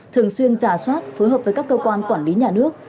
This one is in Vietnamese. thường xuyên giả soát phối hợp với các cơ quan quản lý nhà nước